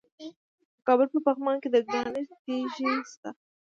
د کابل په پغمان کې د ګرانیټ تیږې شته.